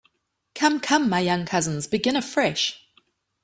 Come, come, my young cousins, begin afresh!